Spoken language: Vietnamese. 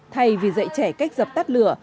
thay vì dạy trẻ cách dập tắt lửa